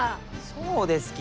そうですき！